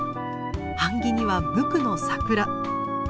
版木には無垢のサクラ。